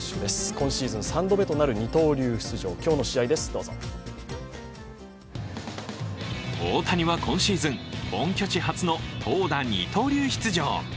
今シーズン３度目となる二刀流出場大谷は今シーズン、本拠地初の投打二刀流出場。